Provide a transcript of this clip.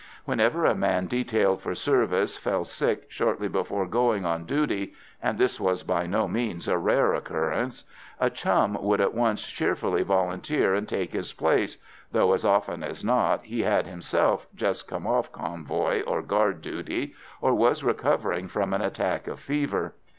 Whenever a man detailed for service fell sick shortly before going on duty and this was by no means a rare occurrence a chum would at once cheerfully volunteer and take his place, though, as often as not, he had himself just come off convoy or guard duty, or was recovering from an attack of fever.